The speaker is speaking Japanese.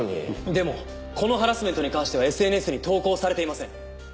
でもこのハラスメントに関してはＳＮＳに投稿されていません。